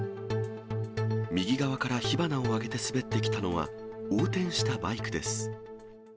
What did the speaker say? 右側から火花をあげて滑ってきたのは横転したバイクです。